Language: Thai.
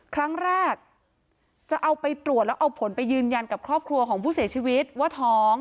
ครั้งแรกจะเอาไปตรวจแล้วเอาผลไปยืนยันกับครอบครัวของผู้เสียชีวิตว่าท้อง